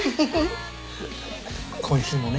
今週のね